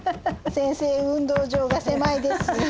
先生運動場が狭いです。